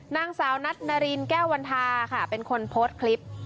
นางสาวนัทนารินแก้ววันทาค่ะเป็นคนโพสต์คลิป